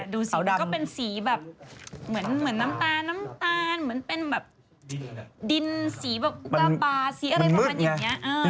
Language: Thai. ดูสิก็เป็นสีแบบเหมือนน้ำตาลเหมือนเป็นแบบดินสีแบบกล้าปลาสีอะไรประมาณนี้